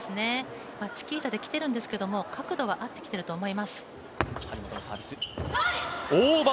チキータできているんですけれども、角度は合ってきていると思います。